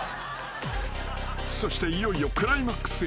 ［そしていよいよクライマックスへ］